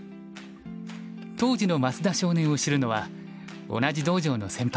当時の増田少年を知るのは同じ道場の先輩